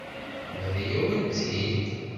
Yerra-yawen-tt-id.